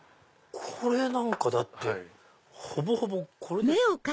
これなんかだってほぼほぼこれですよ。